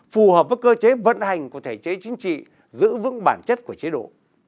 phù hợp với cơ chế vận hành của thể chế chính trị giữ vững bản chất của chế độ